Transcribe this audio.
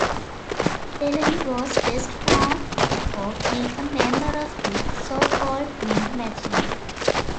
Delany was best known for being a member of the so-called "Mean Machine".